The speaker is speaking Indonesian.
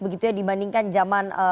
begitu ya dibandingkan zaman